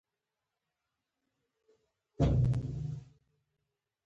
هغه څه اوري چې نور یې نشي اوریدلی